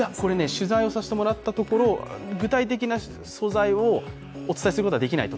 取材させてもらったところ具体的な素材をお伝えすることはできないと。